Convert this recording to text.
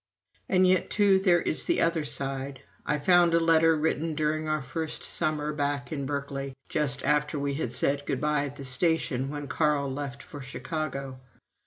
And yet, too, there is the other side. I found a letter written during our first summer back in Berkeley, just after we had said good bye at the station when Carl left for Chicago.